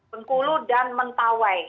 bengkulu dan mentawai